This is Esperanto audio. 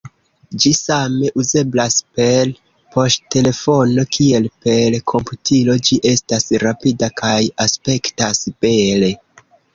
Ĝi same uzeblas per poŝtelefono kiel per komputilo, ĝi estas rapida kaj aspektas bele.